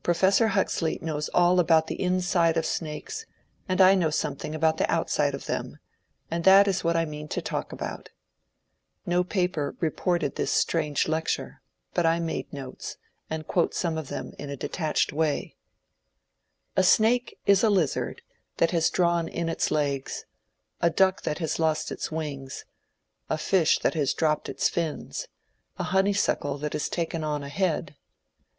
'^ Professor Huxley knows all about the inside of snakes and I know something about the outside of them, and that is what I mean to talk about." No paper BUSKIN'S LECTURE ON SNAKES 121 reported this strange lecture, but I made notes, and quote some of them in a detached way. A snake is a lizard that has drawn in its legs, a duck that has lost its wings, a fish that has dropped its fins, a honey suckle that has taken on a head.